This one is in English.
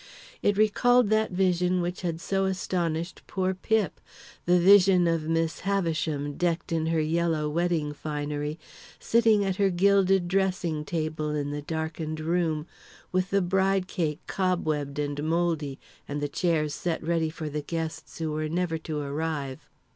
It recalled that vision which had so astonished poor Pip the vision of Miss Havisham, decked in her yellow wedding finery, sitting at her gilded dressing table in the darkened room, with the bride cake cobwebbed and mouldy, and the chairs set ready for the guests who were never to arrive.